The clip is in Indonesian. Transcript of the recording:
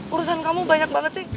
urusan kamu banyak banget sih